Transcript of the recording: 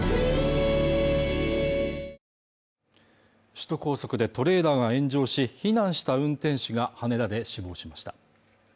首都高速でトレーラーが炎上し避難した運転手がはねられ死亡しました